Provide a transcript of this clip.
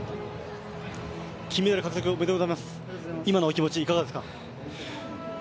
金メダル獲得おめでとうございます、今のお気持ちいかがですか。